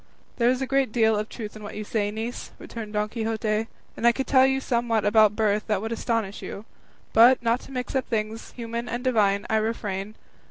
"There is a great deal of truth in what you say, niece," returned Don Quixote, "and I could tell you somewhat about birth that would astonish you; but, not to mix up things human and divine, I refrain.